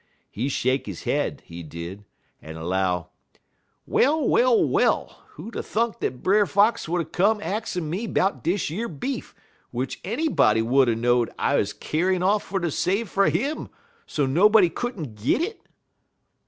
He shake he head, he did, en 'low: "'Well, well, well! Who'd 'a' thunk dat Brer Fox would 'a' come axin' me 'bout dish yer beef, w'ich anybody would er know'd I 'uz a kyar'n off fer ter save fer 'im, so nobody could n't git it?'